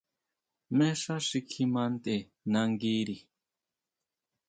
¿Jmé xá xi kjima ntʼe nanguiri?